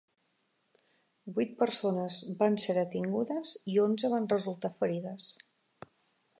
Vuit persones van ser detingudes i onze van resultar ferides.